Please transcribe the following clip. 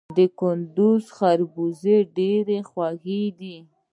د کندز خربوزې ډیرې خوږې دي